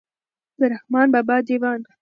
د رحمان بابا دېوان.